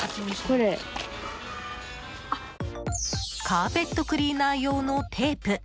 カーペットクリーナー用のテープ。